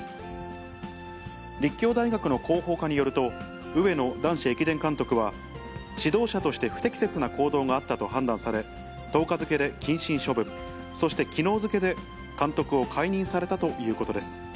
立教大学の広報課によると、上野男子駅伝監督は、指導者として不適切な行動があったと判断され、１０日付で謹慎処分、そしてきのう付けで監督を解任されたということです。